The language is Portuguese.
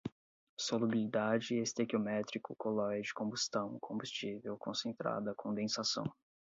solubilidade, estequiométrico, coloide, combustão, combustível, concentrada, condensação